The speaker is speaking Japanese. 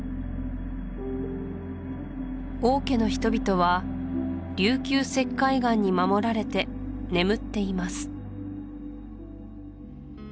王家の人々は琉球石灰岩に守られて眠っています